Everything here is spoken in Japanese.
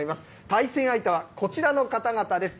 対戦相手は、こちらの方々です。